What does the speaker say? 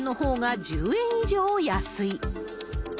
実際、新潟県のほうが１０円以上安い。